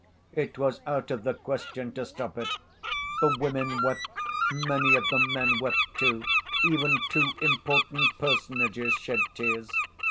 It was out of the question to stop it: the women wept, many of the men wept too, even two important personages shed tears.